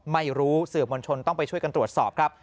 ไม่รู้สื่อมวลชนต้องไปช่วยกันตรวจสอบครับ